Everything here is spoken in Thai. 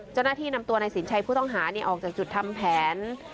เจ้าหน้าที่นำตัวนายสินชัยผู้ต้องหาออกจากจุดทำแผน